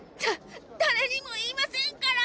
だだれにも言いませんから！